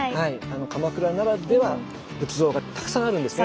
鎌倉ならではの仏像がたくさんあるんですね。